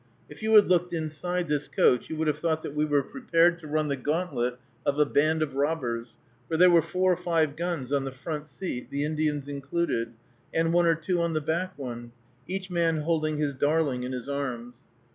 If you had looked inside this coach you would have thought that we were prepared to run the gauntlet of a band of robbers, for there were four or five guns on the front seat, the Indian's included, and one or two on the back one, each man holding his darling in his arms.